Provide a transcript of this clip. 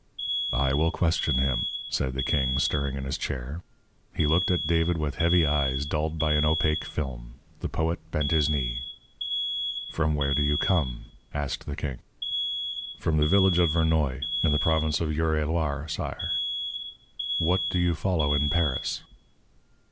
"I will question him," said the king, stirring in his chair. He looked at David with heavy eyes dulled by an opaque film. The poet bent his knee. "From where do you come?" asked the king. "From the village of Vernoy, in the province of Eure et Loir, sire." "What do you follow in Paris?"